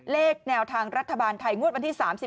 เลขแนวทางรัฐบาลไทยงวดวันที่๓๑